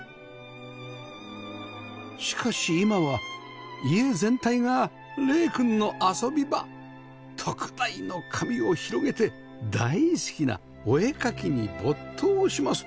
しかし今は家全体が玲くんの遊び場特大の紙を広げて大好きなお絵描きに没頭します